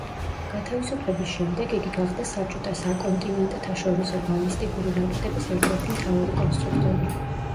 გათავისუფლების შემდეგ იგი გახდა საბჭოთა საკონტინენტთაშორისო ბალისტიკური რაკეტების ერთ-ერთი მთავარი კონსტრუქტორი.